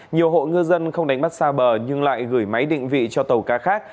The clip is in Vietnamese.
nhiều hộ ngư dân không đánh mắt xa bờ nhưng lại gửi máy định vị cho tàu ca khác